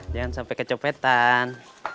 jangan sampai kecopetan